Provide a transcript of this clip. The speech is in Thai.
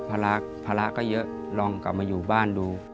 ภาระก็เยอะลองกลับมาอยู่บ้านดู